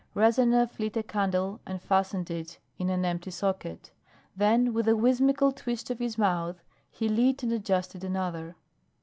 Rezanov lit a candle and fastened it in an empty socket. Then with a whimsical twist of his mouth he lit and adjusted another.